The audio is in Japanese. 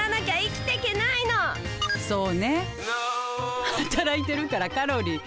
そうね働いてるからカロリー。